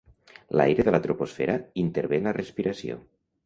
L'aire de la troposfera intervé en la respiració.